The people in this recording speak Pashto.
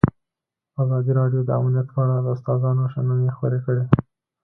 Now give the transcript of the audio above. ازادي راډیو د امنیت په اړه د استادانو شننې خپرې کړي.